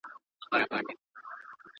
زمرد بې پېرودونکو نه دي.